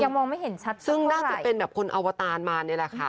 มองไม่เห็นชัดซึ่งน่าจะเป็นแบบคนอวตารมานี่แหละค่ะ